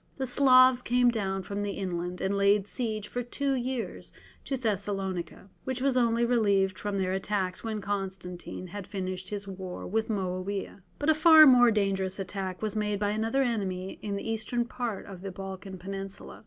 The Slavs came down from the inland, and laid siege for two years to Thessalonica, which was only relieved from their attacks when Constantine had finished his war with Moawiah. But a far more dangerous attack was made by another enemy in the eastern part of the Balkan Peninsula.